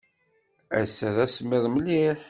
Ass-a d asemmiḍ mliḥ.